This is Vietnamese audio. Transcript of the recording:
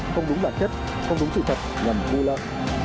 không đúng bản chất không đúng sự thật nhằm vu lợi